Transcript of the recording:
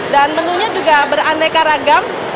dan menunya juga beraneka ragam